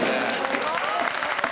すごい！